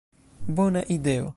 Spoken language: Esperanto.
Bona ideo.